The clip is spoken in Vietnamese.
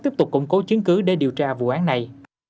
tiếp tục củng cố chứng cứ để điều tra vụ án này